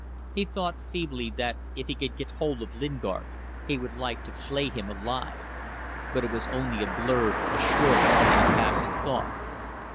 He thought feebly that if he could get hold of Lingard he would like to flay him alive; but it was only a blurred, a short and a passing thought.